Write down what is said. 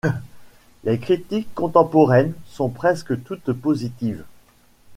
Les critiques contemporaines sont presque toutes positives.